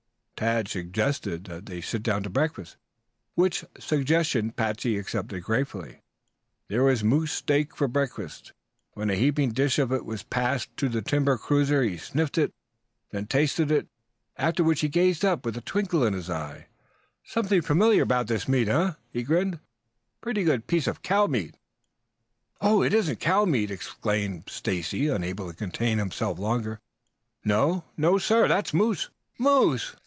Tad suggested that they sit down to breakfast, which suggestion Patsey accepted gratefully. There was moose steak for breakfast. When a heaping dish of it was passed to the timber cruiser he sniffed it, then tasted it, after which he gazed up with a twinkle in his eyes. "Something familiar about this meat, eh?" he grinned. "Pretty good piece of cow meat " "It isn't cow meat," exclaimed Stacy, unable to contain himself longer. "No?" "No, sir. That's moose." "Moose?"